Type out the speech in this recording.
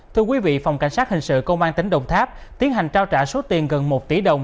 thưa quý vị phòng cảnh sát hình sự công an tỉnh đồng tháp tiến hành trao trả số tiền gần một tỷ đồng